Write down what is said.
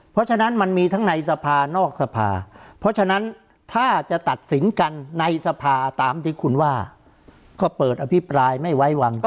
เพราะฉะนั้นมันมีทั้งในสภานอกสภาเพราะฉะนั้นถ้าจะตัดสินกันในสภาตามที่คุณว่าก็เปิดอภิปรายไม่ไว้วางใจ